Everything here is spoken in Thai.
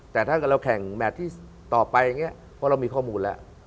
แต่ถ้าเราแข่งแมทที่ต่อไปเพราะเรามีข้อมูลแล้ว